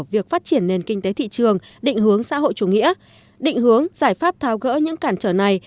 việc phát triển nền kinh tế thị trường định hướng xã hội chủ nghĩa định hướng giải pháp thao gỡ những cản trở này